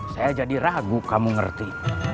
saya jadi ragu kamu ngerti